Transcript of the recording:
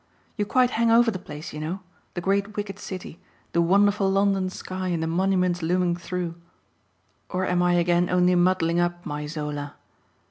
You quite hang over the place, you know the great wicked city, the wonderful London sky and the monuments looming through: or am I again only muddling up my Zola?